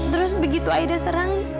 terus begitu aida serang